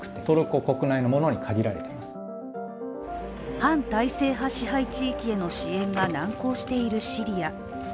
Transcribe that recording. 反体制派支配地域への支援が難航しているシリア。